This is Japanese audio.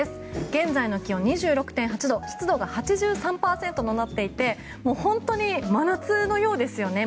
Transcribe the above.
現在の気温２６．８度湿度、８３％となっていて本当に真夏のようですね。